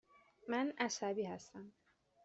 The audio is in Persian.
من عصبی هستم.